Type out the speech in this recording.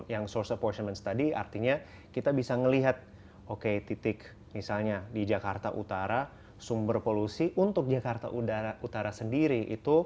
yang source apportionment study artinya kita bisa melihat oke titik misalnya di jakarta utara sumber polusi untuk jakarta utara sendiri itu